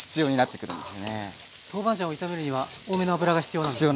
トーバンジャンを炒めるには多めの油が必要なんですね。